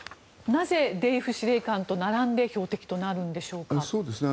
なぜデイフ司令官と並んで標的となるんでしょうか。